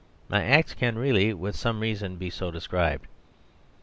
My act can really with some reason be so described.